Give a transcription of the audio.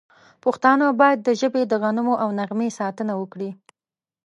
پښتانه باید د ژبې د غنمو او نغمې ساتنه وکړي.